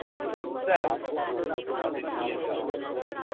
Sir-- তাদের নিয়ে যাও।